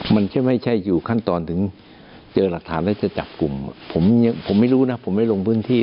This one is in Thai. ไม่ใช่อยู่ขั้นตอนถึงเจอหลักฐานแล้วจะจับกลุ่มผมผมไม่รู้นะผมไม่ลงพื้นที่